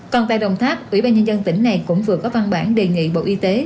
còn tại đồng tháp ủy ban nhân dân tỉnh này cũng vừa có văn bản đề nghị bộ y tế